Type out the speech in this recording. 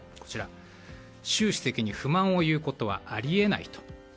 習主席に不満を言うことはあり得ないと。